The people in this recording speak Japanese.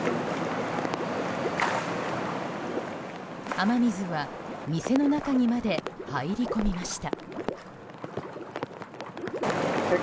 雨水は店の中にまで入り込みました。